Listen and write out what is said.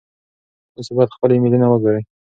تاسو باید خپل ایمیلونه وګورئ.